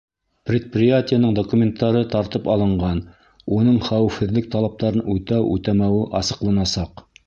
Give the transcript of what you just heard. Предприятиеның документтары тартып алынған, уның хәүефһеҙлек талаптарын үтәү-үтәмәүе асыҡланасаҡ.